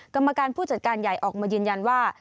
กรรมการผู้จัดการใหญ่ออกมายืนยันว่า